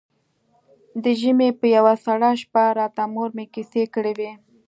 د ژمي په يوه سړه شپه راته مور مې کيسې کړې وې.